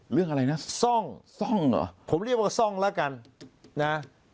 เรื่องอะไรนะซ่องซ่องเหรอผมเรียกว่าซ่องแล้วกันนะ